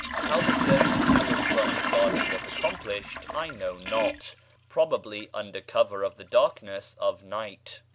How the journey to and from the garden was accomplished I know not: probably under cover of the darkness of night.